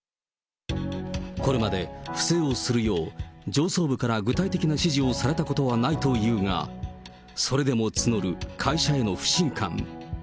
これまで、不正をするよう上層部から具体的な指示をされたことはないというが、それでも募る会社への不信感。